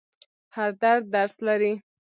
هر درد درس لري.